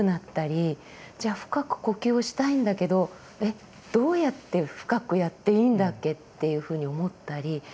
深く呼吸をしたいんだけどどうやって深くやっていいんだっけっていうふうに思ったり。